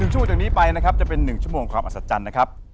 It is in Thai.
ชั่วจากนี้ไปนะครับจะเป็น๑ชั่วโมงความอัศจรรย์นะครับ